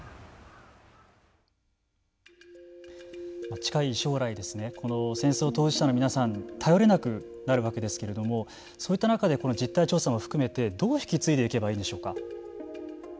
近い将来この戦争当事者の皆さんに頼れなくなるわけですけれどもそういった中で実態調査も含めてどう引き継いでいけばいいんでしょうか。